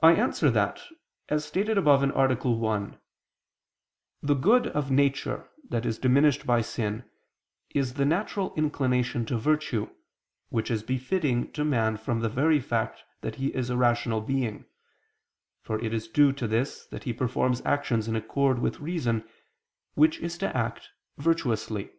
I answer that, As stated above (A. 1), the good of nature, that is diminished by sin, is the natural inclination to virtue, which is befitting to man from the very fact that he is a rational being; for it is due to this that he performs actions in accord with reason, which is to act virtuously.